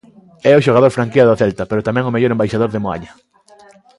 É o xogador franquía do Celta pero tamén o mellor embaixador de Moaña.